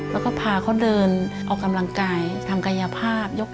แล้วก็พาเขาเดินออกกำลังกายทำกายภาพยก